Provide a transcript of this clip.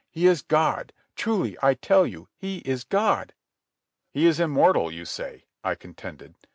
He is God. Truly I tell you He is God." "He is immortal you say," I contended.